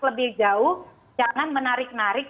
lebih jauh jangan menarik narik